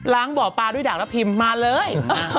ล้างบ่อปลาด้วยดากรับพิมพ์มาเลย